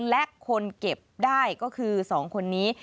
และคนเก็บได้ก็คือ๒คนนี้